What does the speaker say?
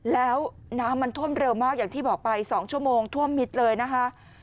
แล้วน้ำมันท่วมเร็วมากอย่างที่บอกไป๒ชั่วโมงท่วมมิตรเลยนะคะ